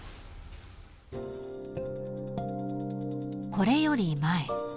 ［これより前］